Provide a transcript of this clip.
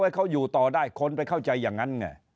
เขาอยู่ต่อได้คนไปเข้าใจอย่างนั้นไง